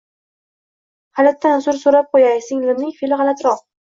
Halitdan uzr so`rab qo`yay, singlimning fe`li g`alatiroq